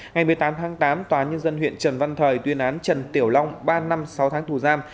ngày một mươi tám tháng tám tòa nhân dân huyện trần văn thời tuyên án trần tiểu long ba năm sáu tháng tù giam